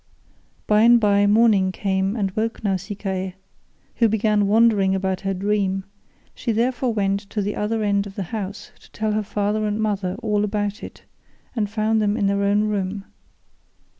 By and by morning came and woke Nausicaa, who began wondering about her dream; she therefore went to the other end of the house to tell her father and mother all about it, and found them in their own room.